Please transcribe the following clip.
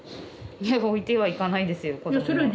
いや置いてはいかないですよ子どもは。